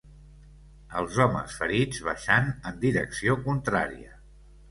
Els homes ferits baixant en direcció contrària